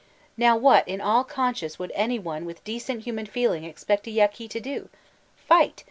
Now what in all conscience would any one with decent human feeling expect a Yaqui to do ? Fight